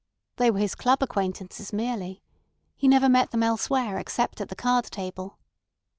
They were his club acquaintances merely. He never met them elsewhere except at the card table.